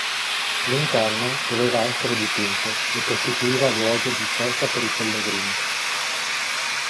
L'interno doveva essere dipinto e costituiva luogo di sosta per i pellegrini.